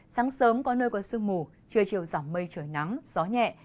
sáng sớm có nơi có sương mù trưa chiều giảm mây trời nắng gió nhẹ